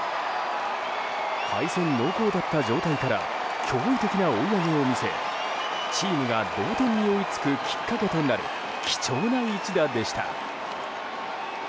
敗戦濃厚だった状態から驚異的な追い上げを見せチームが同点に追いつくきっかけとなる貴重な一打でした。